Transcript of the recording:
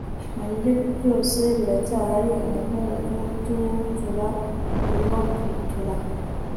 hanyuma - byose biracyahari. umukungugu utukura urimo gutura